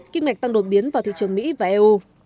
kích mạch tăng đột biến vào thị trường mỹ và eu